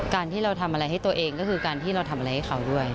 การที่เราทำอะไรให้ตัวเองก็คือการที่เราทำอะไรให้เขาด้วย